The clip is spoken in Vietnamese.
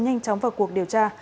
nhanh chóng vào cuộc điều tra